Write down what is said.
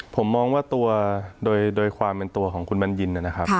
ผมมองว่าตัวโดยความเป็นตัวของคุณบัญญินนะครับ